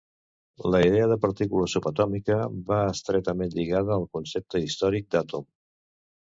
La idea de partícula subatòmica va estretament lligada al concepte històric d'àtom.